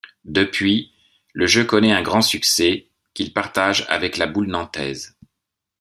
Depuis, le jeu connait un grand succès, qu’il partage avec la boule nantaise.